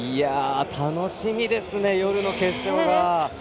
楽しみですね、夜の決勝が。